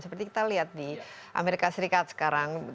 seperti kita lihat di amerika serikat sekarang